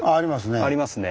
ありますね。